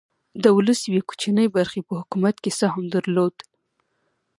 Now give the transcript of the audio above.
د ولس یوې کوچنۍ برخې په حکومت کې سهم درلود.